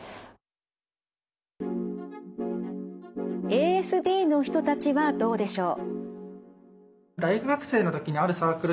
ＡＳＤの人たちはどうでしょう。